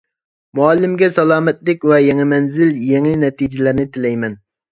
مۇئەللىمگە سالامەتلىك ۋە يېڭى مەنزىل، يېڭى نەتىجىلەرنى تىلەيمەن.